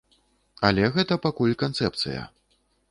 Але гэта пакуль канцэпцыя.